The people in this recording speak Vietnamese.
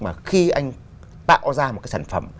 mà khi anh tạo ra một cái sản phẩm